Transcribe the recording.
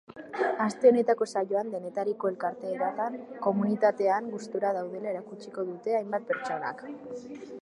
Aste honetako saioan, denetariko elkarteetan komunitatean gustura daudela erakutsiko dute hainbat pertsonak.